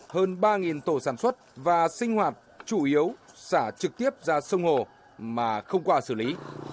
hơn ba tổ sản xuất và sinh hoạt chủ yếu xả trực tiếp ra sông hồ mà không qua xử lý